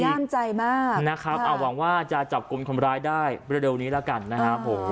ย่ามใจมากนะครับหวังว่าจะจับกลุ่มคนร้ายได้เร็วนี้แล้วกันนะครับผม